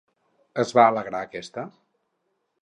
Es va alegrar aquesta?